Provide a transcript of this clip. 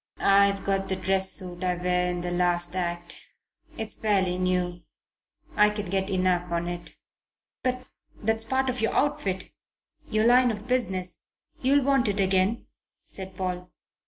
"I've got the dress suit I wear in the last act. It's fairly new. I can get enough on it." "But that's part of your outfit your line of business; you'll want it again," said Paul.